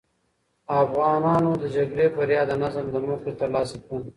افغانانو د جګړې بریا د نظم له مخې ترلاسه کړه.